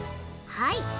はい。